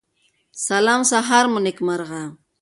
سلام سهار مو نیکمرغه